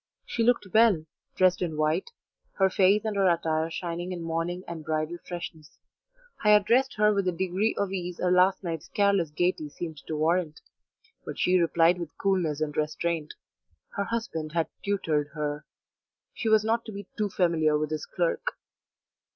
She looked well, dressed in white, her face and her attire shining in morning and bridal freshness. I addressed her with the degree of ease her last night's careless gaiety seemed to warrant, but she replied with coolness and restraint: her husband had tutored her; she was not to be too familiar with his clerk.